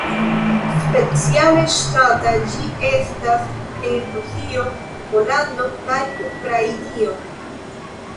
Speciale ŝtata ĝi estas en Rusio, Pollando kaj Ukrainio.